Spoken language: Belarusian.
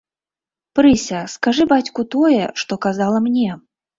Прыся, скажы бацьку тое, што казала мне.